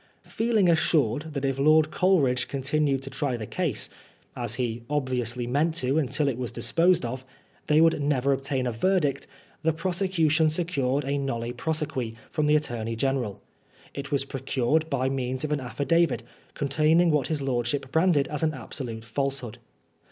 Feeling assured that if Lord Coleridge continued to try the case, as he obviously meant to until it was disposed of, they would never obtain a verdict, the prosecution secured a nolle prose qui from the Attorney General. It was procured by means of an affidavit, containing what his lordship branded as an absolute falsehood.